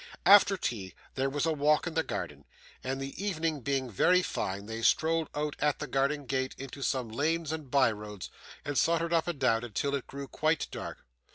After tea there was a walk in the garden, and the evening being very fine they strolled out at the garden gate into some lanes and bye roads, and sauntered up and down until it grew quite dark.